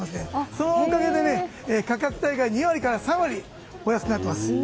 そのおかげで価格帯が２割から３割安くなっています。